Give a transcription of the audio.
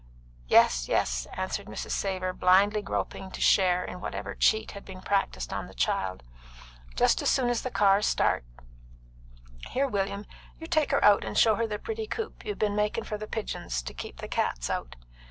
"Yes, yes," answered Mrs. Savor, blindly groping to share in whatever cheat had been practised on the child, "just as soon as the cars starts. Here, William, you take her out and show her the pretty coop you be'n makin' the pigeons, to keep the cats out."